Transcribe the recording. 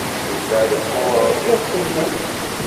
Yella yeqqur yiɣef-nnem.